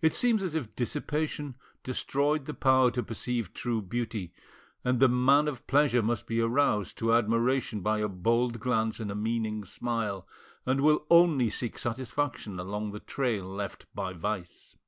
It seems as if dissipation destroyed the power to perceive true beauty, and the man of pleasure must be aroused to admiration by a bold glance and a meaning smile, and will only seek satisfaction along the trail left by vice.